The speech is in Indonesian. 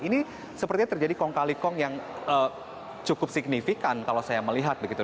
ini sepertinya terjadi kong kali kong yang cukup signifikan kalau saya melihat begitu